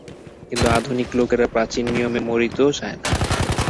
কিন্তু আধুনিক লোকেরা প্রাচীন নিয়মে মরিতেও চায় না।